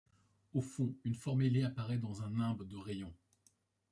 Au fond une forme ailée apparaît dans un nimbe de rayons.